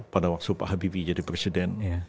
pada waktu pak habibie jadi presiden